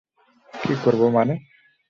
কী করব মানে?